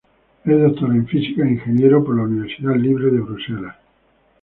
Es doctor en Física e ingeniero por la Universidad Libre de Bruselas.